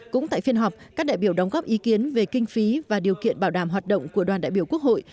cũng tại phiên họp các đại biểu đóng góp ý kiến về kinh phí và điều kiện bảo đảm hoạt động của đoàn đại biểu quốc hội